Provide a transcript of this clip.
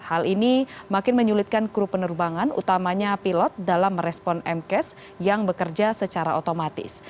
hal ini makin menyulitkan kru penerbangan utamanya pilot dalam merespon mcas yang bekerja secara otomatis